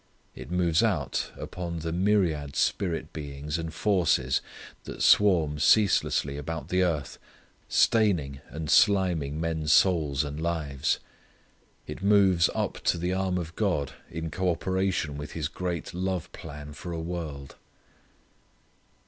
It moves out upon the myriad spirit beings and forces that swarm ceaselessly about the earth staining and sliming men's souls and lives. It moves up to the arm of God in cooperation with His great love plan for a world.